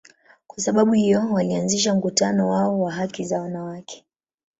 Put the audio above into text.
Kwa sababu hiyo, walianzisha mkutano wao wa haki za wanawake.